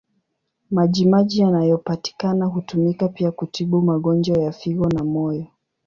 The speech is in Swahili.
Maji maji yanayopatikana hutumika pia kutibu magonjwa ya figo na moyo.